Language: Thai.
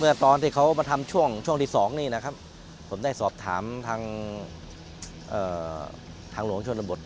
ตอนที่เขามาทำช่วงช่วงที่๒นี่นะครับผมได้สอบถามทางหลวงชนบท